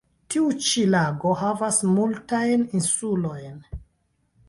Tiu ĉi lago havas multajn insulojn.